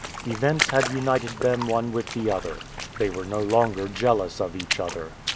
Events had united them one with the other. They were no longer jealous of each other.